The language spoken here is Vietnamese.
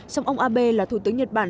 sống ông abe là thủ tướng nhật bản